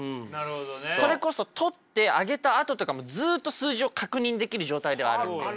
それこそ撮って上げたあととかもずっと数字を確認できる状態ではあるんで。